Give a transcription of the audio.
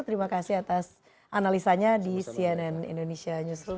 terima kasih atas analisanya di cnn indonesia newsroom